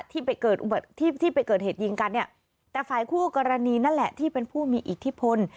ที่ไปเกิดเหตุยิงกันเนี่ยแต่ฝ่ายคู่กรณีนั่นแหละที่เป็นผู้มีอิทธิพล